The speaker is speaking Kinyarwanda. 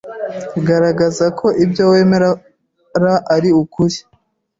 Garagaza ko ibyo wemera ari ukuri,